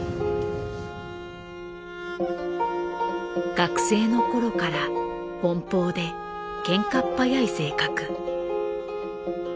学生の頃から奔放でけんかっ早い性格。